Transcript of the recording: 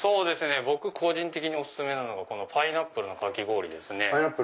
僕個人的にお薦めなのがパイナップルのかき氷ですね。